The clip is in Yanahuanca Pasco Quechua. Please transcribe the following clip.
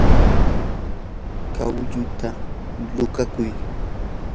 kawalluta luqakuy.